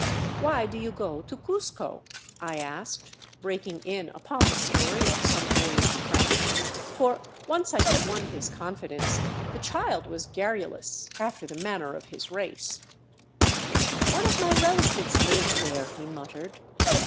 " Why do you go to Cuzco ?" I asked, breaking in upon the story of some boyish prank ; for, once I had won his confidence, the child was garrulous, after the manner of his race. 406 THE CITY OF THE SUN " One of my relatives lives there," he muttered.